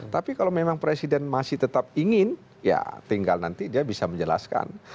tapi kalau memang presiden masih tetap ingin ya tinggal nanti dia bisa menjelaskan